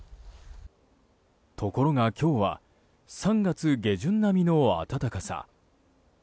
ところが、今日は３月下旬並みの暖かさ。